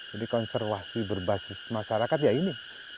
konservasi berbasis masyarakat ya ini